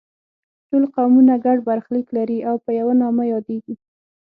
ټول قومونه ګډ برخلیک لري او په یوه نامه یادیږي.